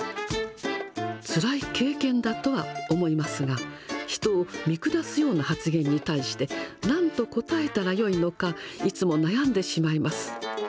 つらい経験だとは思いますが、人を見下すような発言に対して、なんと答えたらよいのか、いつも悩んでしまいます。